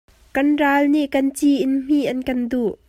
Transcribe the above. Kan ral nih kan ci in hmih an kan duh.